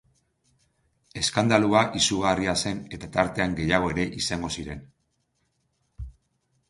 Eskandalua izugarria zen eta tartean gehiago ere izango ziren...